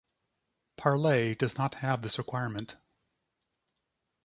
Parlay does not have this requirement.